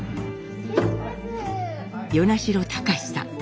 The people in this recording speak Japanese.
与那城智さん。